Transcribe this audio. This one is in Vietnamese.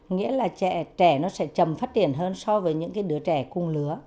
nghĩa là trẻ nó sẽ chầm phát triển hơn so với những đứa trẻ cung lứa